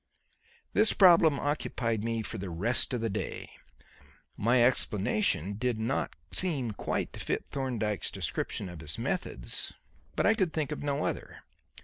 This problem occupied me for the rest of the day. My explanation did not seem quite to fit Thorndyke's description of his methods; but I could think of no other.